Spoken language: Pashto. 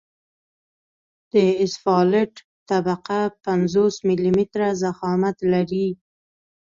د اسفالټ طبقه پنځوس ملي متره ضخامت لري